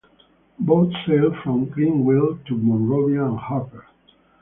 Boats sail from Greenville to Monrovia and Harper.